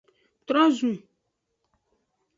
Trozun.